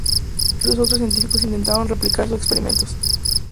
Muchos otros científicos intentaron replicar sus experimentos.